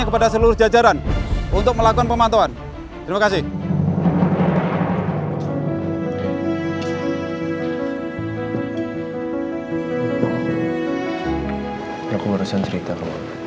aku benar benar takut dan khawatir